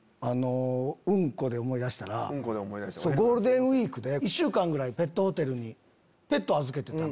うんこで思い出したらゴールデンウイークで１週間ぐらいペットホテルにペット預けてたの。